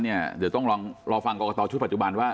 เดี๋ยวต้องรอฟังกรกตชุดปัจจุบันว่า